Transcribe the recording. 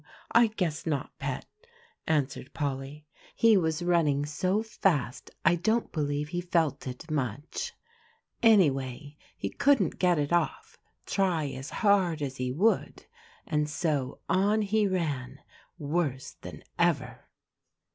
I guess not, Pet," answered Polly; "he was running so fast I don't believe he felt it much. Anyway, he couldn't get it off, try as hard as he would. And so on he ran, worse than ever."